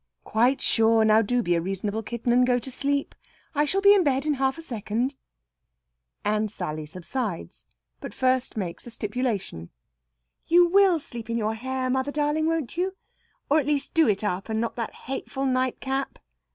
"Quite sure. Now, do be a reasonable kitten, and go to sleep; I shall be in bed in half a second." And Sally subsides, but first makes a stipulation: "You will sleep in your hair, mother darling, won't you? Or, at least, do it up, and not that hateful nightcap?"